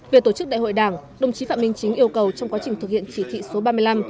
về tổ chức đại hội đảng đồng chí phạm minh chính yêu cầu trong quá trình thực hiện chỉ thị số ba mươi năm